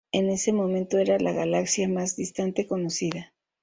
En ese momento era la galaxia más distante conocida.